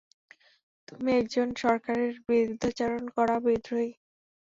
তুমি একজন সরকারের বিরুদ্ধাচারণ করা বিদ্রোহী!